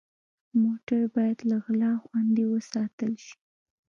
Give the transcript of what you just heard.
موټر باید له غلا خوندي وساتل شي.